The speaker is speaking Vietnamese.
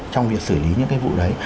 trong việc xử lý những cái vụ đấy